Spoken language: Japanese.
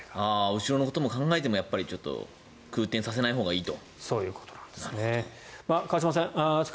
後ろのことも考えても空転させないほうがいいと。